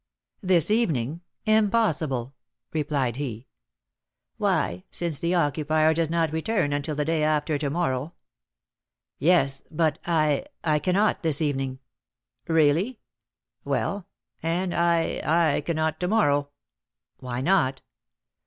"This evening! impossible!" replied he. "Why, since the occupier does not return until the day after to morrow?" "Yes, but I I cannot this evening " "Really? Well, and I I cannot to morrow." "Why not?"